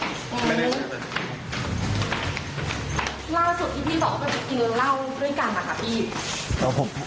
ร่างสุดที่พี่บอกว่าจะกินเรื่องราวด้วยกันหรอครับพี่